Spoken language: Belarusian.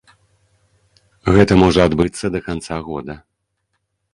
Гэта можа адбыцца да канца года.